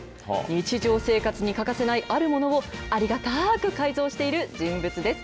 日常生活に欠かせないあるものを、ありがたーく改造している人物です。